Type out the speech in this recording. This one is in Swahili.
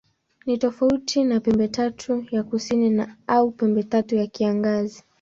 Ni tofauti na Pembetatu ya Kusini au Pembetatu ya Kiangazi.